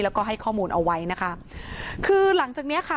แล้วก็ให้ข้อมูลเอาไว้นะคะคือหลังจากเนี้ยค่ะ